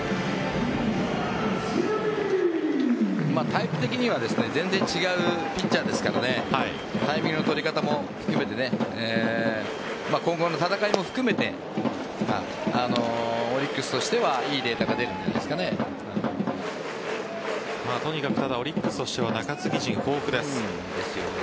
タイプ的には全然違うピッチャーですからタイミングの取り方も含めて今後の戦いも含めてオリックスとしては良いデータがとにかくオリックスとしては中継ぎ陣、豊富です。